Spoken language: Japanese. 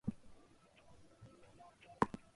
四川蜂起から武昌蜂起を経て辛亥革命は起こった。